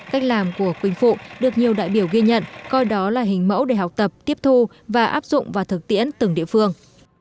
cách làm của quỳnh phụ được nhiều đại biểu ghi nhận coi đó là hình mẫu để học tập tiếp thu và áp dụng và thực tiễn từng địa phương